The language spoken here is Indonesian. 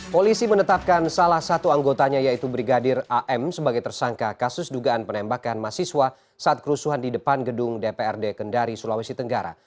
polisi menetapkan salah satu anggotanya yaitu brigadir am sebagai tersangka kasus dugaan penembakan mahasiswa saat kerusuhan di depan gedung dprd kendari sulawesi tenggara